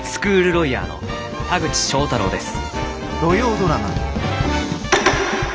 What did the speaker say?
ロイヤーの田口章太郎です。